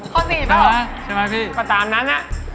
ครับข้อ๔เปล่าไปตามนั้นนะ